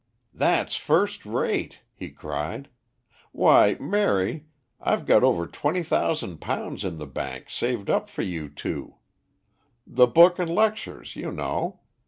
"That's first rate," he cried. "Why, Mary, I've got over £20,000 in the bank saved up for you two. The book and lectures, you know.